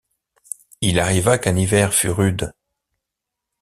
Il arriva qu’un hiver fut rude.